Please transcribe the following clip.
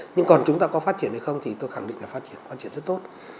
nhưng còn chúng ta có phát triển hay không thì tôi khẳng định là phát triển rất tốt